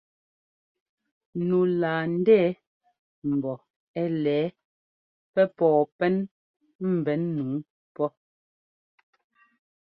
Nu laa ndɛɛ̀̀ mbɔ ɛ́ lɛ̌ɛ pɛ́ pɔɔ pɛn ḿbɛn nǔu pɔ́ !